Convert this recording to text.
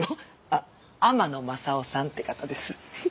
あっ天野まさをさんって方です。